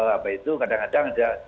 apa itu kadang kadang ada